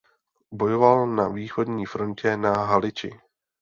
Bojoval na východní frontě na Haliči.